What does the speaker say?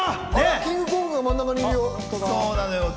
キングコングが真ん中にいるよ。